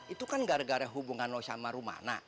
itu kan gara gara hubungan no sama rumana